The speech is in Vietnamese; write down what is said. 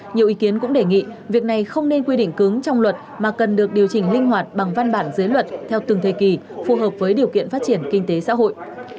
nhiều ý kiến cũng đề nghị việc này không nên quy định cứng trong luật mà cần được điều chỉnh linh hoạt bằng văn bản dưới luật theo từng thời kỳ phù hợp với điều kiện phát triển kinh tế xã hội